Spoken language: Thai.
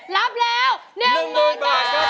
รับแล้ว๑หมื่นบาทครับ